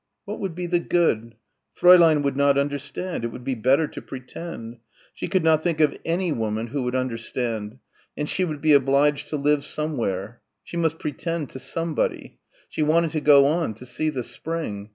What would be the good? Fräulein would not understand. It would be better to pretend. She could not think of any woman who would understand. And she would be obliged to live somewhere. She must pretend to somebody. She wanted to go on, to see the spring.